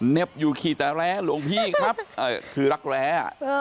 อยู่ขี่แต่แร้หลวงพี่ครับคือรักแร้